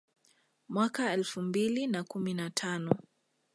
Mwaka elfu mbili na kumi na tano